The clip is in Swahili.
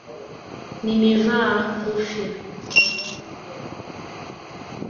Nimevaa kofia